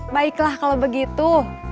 baiklah kalau begitu